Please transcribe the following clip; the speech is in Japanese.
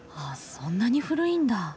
そんなに古いんだ。